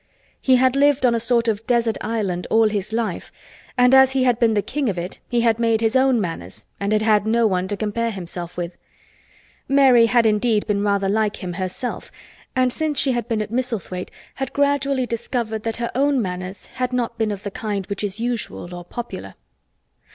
He had lived on a sort of desert island all his life and as he had been the king of it he had made his own manners and had had no one to compare himself with. Mary had indeed been rather like him herself and since she had been at Misselthwaite had gradually discovered that her own manners had not been of the kind which is usual or popular.